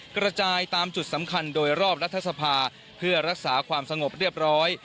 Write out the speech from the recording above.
กระจายตามจุดสำคัญโดยรอบรัฐสภาเพื่อรักษาความสงบเรียบร้อย